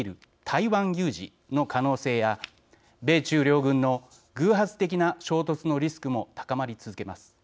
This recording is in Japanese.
台湾有事の可能性や米中両軍の偶発的な衝突のリスクも高まり続けます。